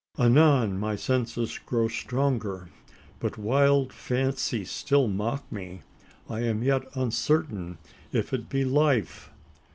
Anon my senses grow stronger, but wild fancies still mock me: I am yet uncertain if it be life!